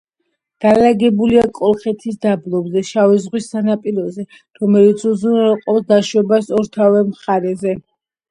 განლაგებულია კოლხეთის დაბლობზე, შავი ზღვის სანაპიროზე, რომელიც უზრუნველყოფს დაშვებას ორთავე მხარეზე.